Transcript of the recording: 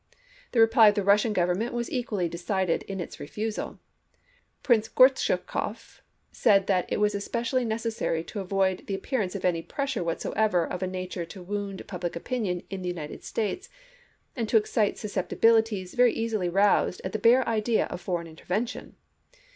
The reply of the Russian Government was equally decided in its refusal. Prince Gortschakoff said that it was especially necessary to avoid the ap pearance of any pressm^e whatsoever of a nature to wound public opinion in the United States, and to excite susceptibilities very easily roused at the bare idea of foreign intervention.